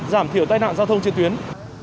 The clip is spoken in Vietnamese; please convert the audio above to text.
giảm thiểu tai nạn giao thông trên tuyến